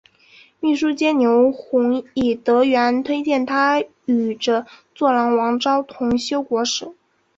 秘书监牛弘以德源推荐他与着作郎王邵同修国史。